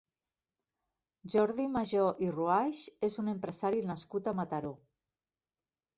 Jordi Majó i Ruaix és un empresari nascut a Mataró.